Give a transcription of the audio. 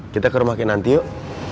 kita ke rumahnya nanti yuk